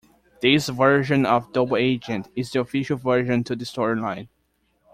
This version of Double Agent is the official version to the story-line.